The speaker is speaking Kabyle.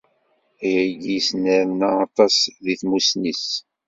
Ayagi yesnerna aṭas di tmusni-s.